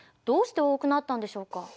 どうして多くなったんでしょうか？